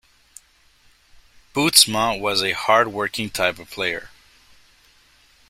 Bootsma was a hard working type of player.